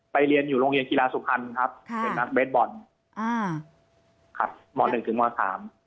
ไปเรียนอยู่โรงเรียนกีฬาสุพรรณครับเป็นนักเบสบอลคับม๑ถึงม๓